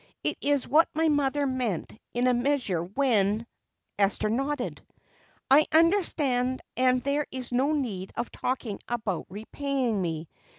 It is what my mother meant in a measure when " Esther nodded. "I understand and there is no need of talking about repaying me.